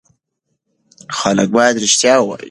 خلک باید رښتیا ووایي.